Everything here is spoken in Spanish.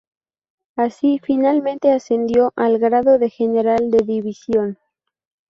Así, finalmente ascendió al grado de General de División.